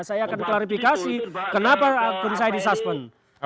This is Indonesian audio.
saya akan klarifikasi kenapa akun saya disuspend